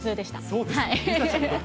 そうですね。